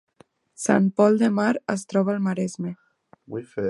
Sant Pol de Mar es troba al Maresme